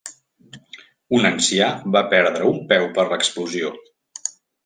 Un ancià va perdre un peu per l'explosió.